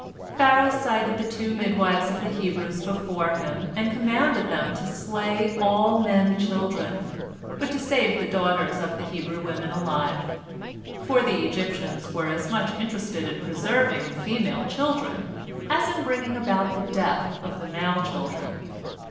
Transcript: Pharaoh cited the two midwives of the Hebrews before him, and commanded them to slay all men children, but to save the daughters of the Hebrew women alive," for the Egyptians were as much interested in preserving the female children as in bringing about the death of the male children.